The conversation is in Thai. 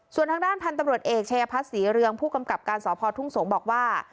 ส่วนทางด้านพันธุ์ตำรวจเอกชายพัฒนศรีเรืองผู้กำกับการสพทุ่งสงศ์บอกว่า